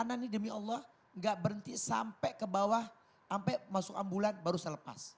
karena ini demi allah nggak berhenti sampai ke bawah sampai masuk ambulan baru saya lepas